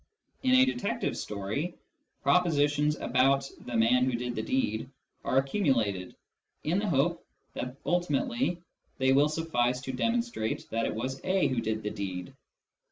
In a detective story propositions about " the man who did the deed " are accumulated, in the hope that ultimately they will suffice to demonstrate that it was A who did the deed.